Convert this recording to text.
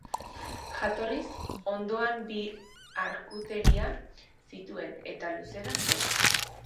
Jatorriz, hondoan bi arkuteria zituen eta luzeran bost.